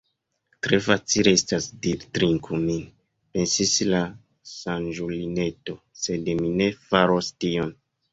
"Tre facile estas diri 'Trinku min'" pensis la saĝulineto, "sed mi ne faros tion. »